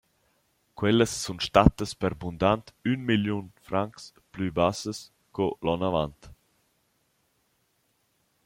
Quellas sun stattas per bundant ün milliun francs plü bassas co l’on avant.